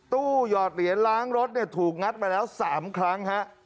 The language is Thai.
หยอดเหรียญล้างรถเนี่ยถูกงัดมาแล้ว๓ครั้งฮะ